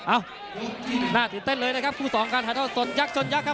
อ้าวน่าตื่นเต้นเลยนะครับครูสองการถ่ายเท่าส่วนยักษ์ส่วนยักษ์ครับ